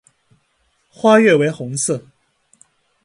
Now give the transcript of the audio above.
花萼为红色。